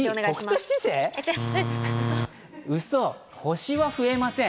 星は増えません。